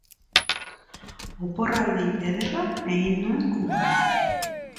Oporraldi ederra egin nuen Kuban